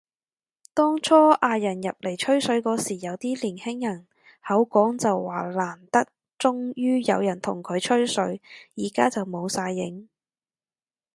當初嗌人入嚟吹水嗰時，有啲年輕人口講就話難得終於有人同佢吹水，而家就冇晒影